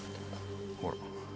ほら。